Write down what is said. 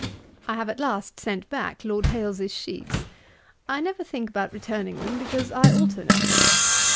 'I have at last sent back Lord Hailes's sheets. I never think about returning them, because I alter nothing.